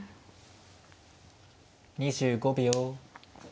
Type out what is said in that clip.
２５秒。